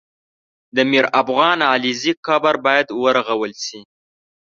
د میرافغان علیزي قبر باید ورغول سي